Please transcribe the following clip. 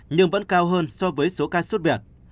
nhưng vẫn cao hơn so với số ca xuất viện